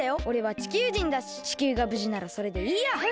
おれは地球人だし地球がぶじならそれでいいや！